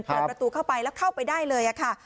เปิดประตูเข้าไปแล้วเข้าไปได้เลยค่ะ